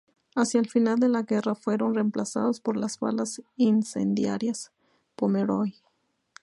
Hacia el final de la guerra fueron reemplazados por las balas incendiarias Pomeroy.